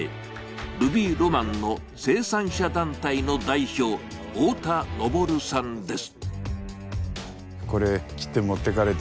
ルビーロマンの生産者団体の代表、大田昇さんです。